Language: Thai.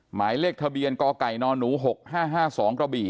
หมายเลขทะเบียนกไก่นหนู๖๕๕๒กระบี่